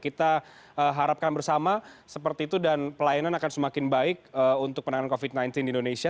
kita harapkan bersama seperti itu dan pelayanan akan semakin baik untuk penanganan covid sembilan belas di indonesia